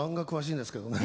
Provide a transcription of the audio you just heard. なんですけどね